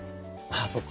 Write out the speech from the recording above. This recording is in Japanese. あそっか。